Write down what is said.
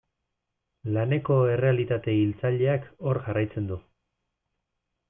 Laneko errealitate hiltzaileak hor jarraitzen du.